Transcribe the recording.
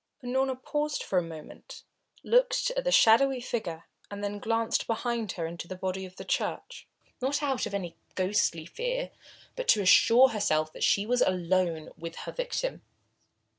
Unorna paused a moment, looked at the shadowy figure, and then glanced behind her into the body of the church, not out of any ghostly fear, but to assure herself that she was alone with her victim.